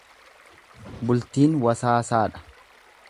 Bultiin wasaasaadha.